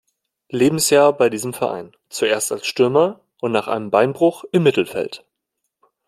Lebensjahr bei diesem Verein, zuerst als Stürmer und nach einem Beinbruch im Mittelfeld.